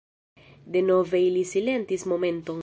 Denove ili silentis momenton.